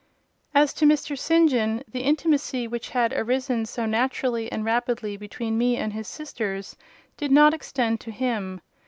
As to Mr. St John, the intimacy which had arisen so naturally and rapidly between me and his sisters did not extend to him.